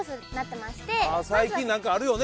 最近なんかあるよね